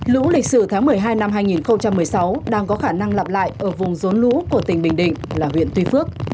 lũ lịch sử tháng một mươi hai năm hai nghìn một mươi sáu đang có khả năng lặp lại ở vùng rốn lũ của tỉnh bình định là huyện tuy phước